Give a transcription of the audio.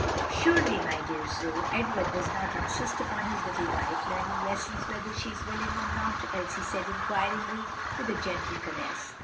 "Surely, my dear Zoe, Edward does not insist upon his little wife learning lessons whether she is willing or not?" Elsie said inquiringly, and with a gentle caress.